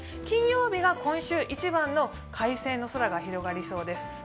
金曜日が今週一番の快晴の空が広がりそうです。